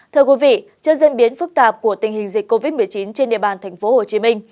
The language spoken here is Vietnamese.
thưa quý vị trước diễn biến phức tạp của tình hình dịch covid một mươi chín trên địa bàn tp hcm